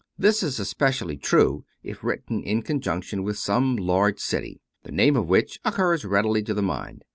This is especially true if written in connection with some large city, the name of which occurs readily to the mind.